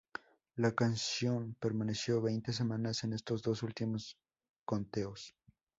La canción permaneció veinte semanas en estos dos últimos conteos.